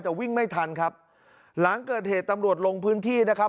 แต่วิ่งไม่ทันครับหลังเกิดเหตุตำรวจลงพื้นที่นะครับ